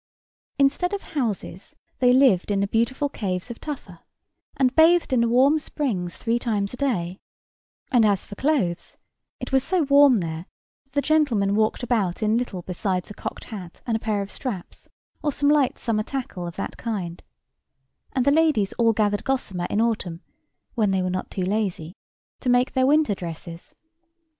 Instead of houses they lived in the beautiful caves of tufa, and bathed in the warm springs three times a day; and, as for clothes, it was so warm there that the gentlemen walked about in little beside a cocked hat and a pair of straps, or some light summer tackle of that kind; and the ladies all gathered gossamer in autumn (when they were not too lazy) to make their winter dresses.